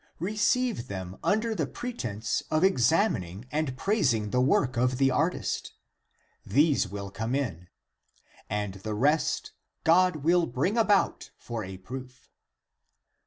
Re ceive them under the pretense of examining and praising the work of the artist. These will come in — and the rest God will bring about for a proof.